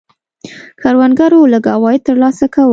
کروندګرو لږ عواید ترلاسه کول.